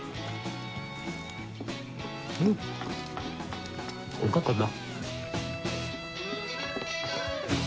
うんおかかだ。